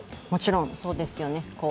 もちろんそうですよね。